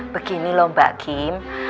begini loh mbak kim